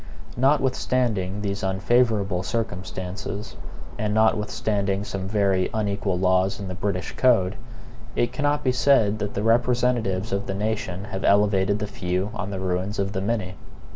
Notwithstanding these unfavorable circumstances, and notwithstanding some very unequal laws in the British code, it cannot be said that the representatives of the nation have elevated the few on the ruins of the many.